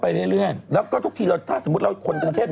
พั่วไปเรื่อยแล้วก็ถ้าสมมุติเราคนกรุงเทพฯ